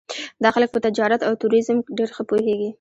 دا خلک په تجارت او ټوریزم ډېر ښه پوهېږي.